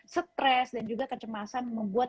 stres dan juga kecemasan membuat